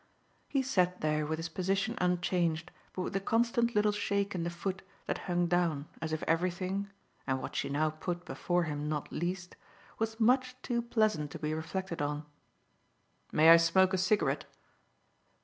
He sat there with his position unchanged but with a constant little shake in the foot that hung down, as if everything and what she now put before him not least was much too pleasant to be reflected on. "May I smoke a cigarette?"